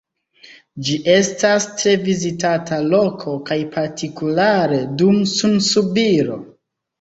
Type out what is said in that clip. Ĝi estas tre vizitata loko kaj partikulare dum sunsubiro.